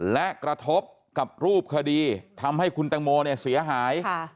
และกระทบกับรูปคดีทำให้คุณตังโมเนี่ยเสียหาย